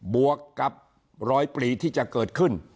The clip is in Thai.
บวกกับรอยปลีที่จะเกิดขึ้น